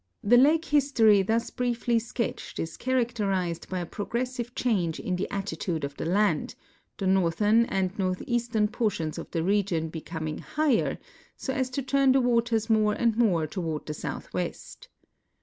* The lake history thus briefly sketcht is characterized by a prt) gressive change in the attitude of the land, the northern and northeastern portions of the region becoming higher, so as to turn the waters more and more toward the southwest.